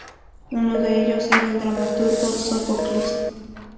Uno de ellos era el dramaturgo Sófocles.